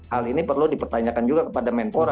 hal ini perlu dipertanyakan juga kepada menpora